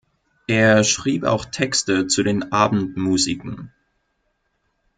Er schrieb auch Texte zu den Abendmusiken.